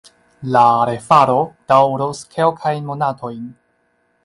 La refaro daŭros kelkajn monatojn.